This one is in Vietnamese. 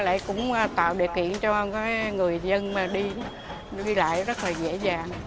có lẽ cũng tạo điều kiện cho người dân đi lại rất là dễ dàng